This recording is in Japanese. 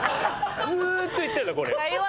ずーっと言ってるのこれ。